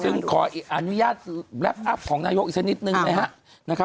ซึ่งขออนุญาตรับอัพของนายกอีกซักนิดนึงนะฮะ